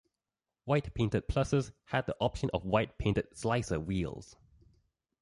White painted pluses had the option of white painted "slicer" wheels.